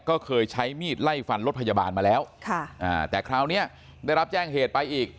ก็เคยใช้มีดไล่ฟันรถพยาบาลมาแล้วแต่คราวนี้ได้รับแจ้งเหตุไปอีก